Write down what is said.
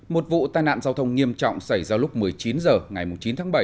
một vụ tai nạn giao thông nghiêm trọng xảy ra lúc một mươi chín h ngày chín tháng bảy